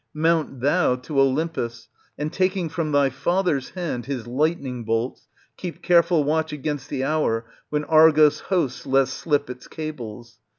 Mount thou to Olympus, and taking from thy father's hand his lightning bolts, keep careful watch against the hour when Argos' host lets slip its cables.